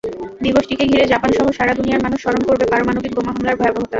দিবসটিকে ঘিরে জাপানসহ সারা দুনিয়ার মানুষ স্মরণ করবে পারমাণবিক বোমা হামলার ভয়াবহতা।